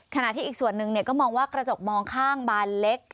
ขณะที่อีกส่วนหนึ่งก็มองว่ากระจกมองข้างบานเล็ก